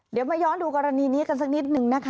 เดี๋ยวมาย้อนดูกรณีนี้กันสักนิดนึงนะคะ